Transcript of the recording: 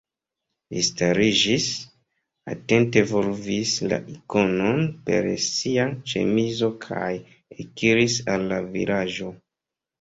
Li stariĝis, atente volvis la ikonon per sia ĉemizo kaj ekiris al la vilaĝo.